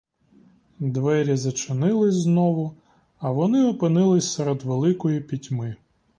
Двері зачинились знову, а вони опинились серед великої пітьми.